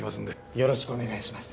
よろしくお願いします。